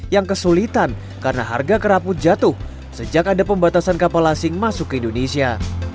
yang kesulitan karena harga keraput jatuh sejak ada pembatasan kapal asing masuk ke indonesia